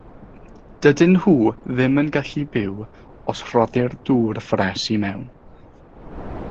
Dydyn nhw ddim yn gallu byw os rhoddir dŵr ffres i mewn.